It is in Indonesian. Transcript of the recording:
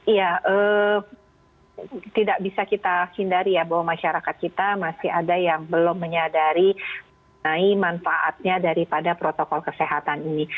iya tidak bisa kita hindari ya bahwa masyarakat kita masih ada yang belum menyadari manfaatnya daripada protokol kesehatan ini